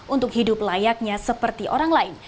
untuk hidup layaknya seperti orang lain